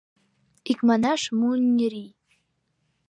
Икманаш, муньырий.